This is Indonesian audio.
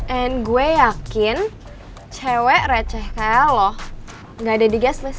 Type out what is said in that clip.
dan gue yakin cewek receh kayak lo gak ada di guest list